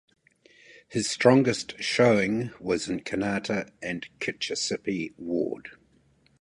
His strongest showing was in Kanata and Kitchissippi Ward.